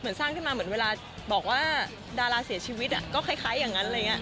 เหมือนสร้างขึ้นมาเหมือนเวลาบอกว่าดาราเสียชีวิตก็คล้ายอย่างนั้น